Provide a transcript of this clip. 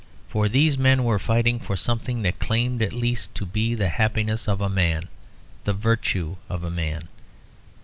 For these men were fighting for something that claimed, at least, to be the happiness of a man, the virtue of a man.